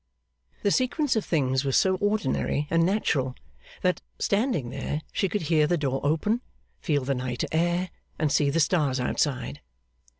The sequence of things was so ordinary and natural, that, standing there, she could hear the door open, feel the night air, and see the stars outside.